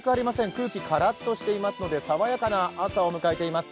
空気、カラッとしていますので爽やかな朝を迎えています。